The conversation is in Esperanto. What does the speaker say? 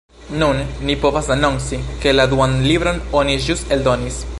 Nun ni povas anonci, ke la duan libron oni ĵus eldonis.